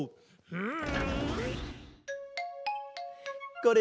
うん。